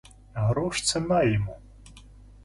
Грош цена ему.